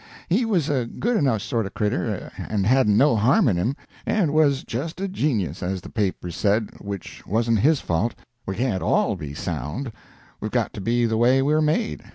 He was a good enough sort of cretur, and hadn't no harm in him, and was just a genius, as the papers said, which wasn't his fault. We can't all be sound: we've got to be the way we're made.